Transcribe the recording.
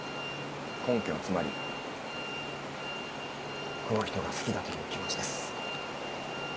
根拠はつまりこの人が好きだという気持ちです。